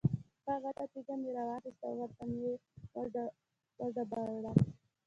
ښه غټه تیږه مې را واخسته او ورته مې یې وډباړه.